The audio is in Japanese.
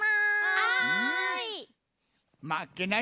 はい！